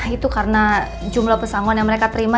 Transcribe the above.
itu karena jumlah pesangon yang mereka terima